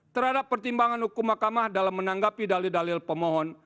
terhadap pertimbangan hukum mahkamah dalam menanggapi dalil dalil pemohon